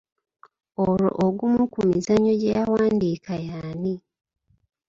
Olwo ogumu ku mizannyo gye yawandiika y'ani?